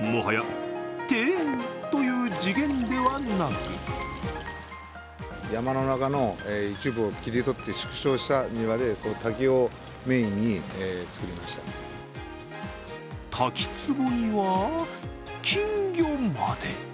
もはや庭園という次元ではなく滝つぼには金魚まで。